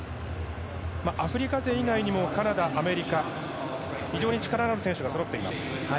アフリカ勢以外にもカナダ、アメリカ非常に力のある選手がそろっています。